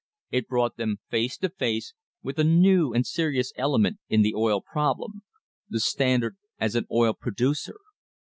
It brought them face to face with a new and serious element in the oil problem the Standard as an oil producer.